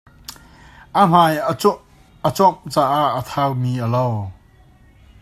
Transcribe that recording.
A hmai a cuamh caah a thau mi a lo.